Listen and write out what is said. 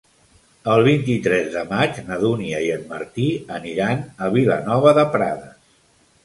El vint-i-tres de maig na Dúnia i en Martí aniran a Vilanova de Prades.